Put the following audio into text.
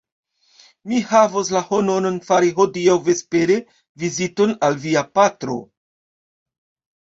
Mi havos la honoron fari hodiaŭ vespere viziton al via patro!